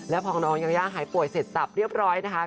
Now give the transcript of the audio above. แล้วพอน้องยายาหายป่วยเสร็จสับเรียบร้อยนะคะ